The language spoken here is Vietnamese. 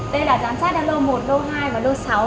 đây là giám sát đơn lô một lô hai và lô sáu